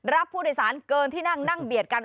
รับผู้โดยสารเกินที่นั่งนั่งเบียดกัน